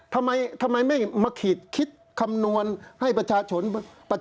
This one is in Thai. ทำไมไม่มาคิดคำนวณให้ประชาชนเห็นง่าย